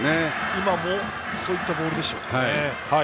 今のもそういったボールでしたね。